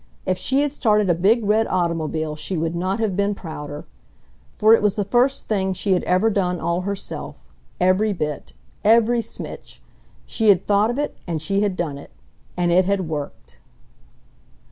If she had started a big red automobile she would not have been prouder. For it was the first thing she had ever done all herself ... every bit ... every smitch! She had thought of it and she had done it. And it had worked!